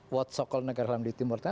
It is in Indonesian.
what so called negara islam di timur tengah